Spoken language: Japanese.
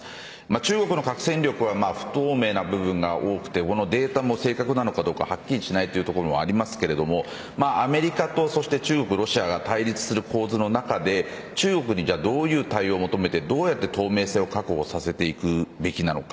中国の核戦力は不透明な部分が多くてデータも正確なのかどうかはっきりしないところはありますがアメリカと中国、ロシアが対立する構図の中で中国にどういう対応を求めてどうやって透明性を確保させていくのか。